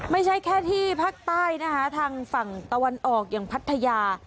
ไม่ใช่แค่ที่ภาคใต้นะคะทางฝั่งตะวันออกอย่างพัทยา